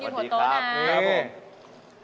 สวัสดีครับนี่